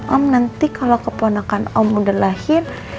om nanti kalau keponakan om udah lahir